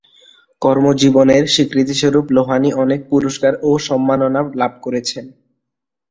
কর্মজীবনের স্বীকৃতিস্বরূপ লোহানী অনেক পুরস্কার ও সম্মাননা লাভ করেছেন।